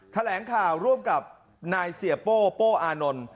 แถลงข่าวร่วมกับนายเสียโป้โป้อานนท์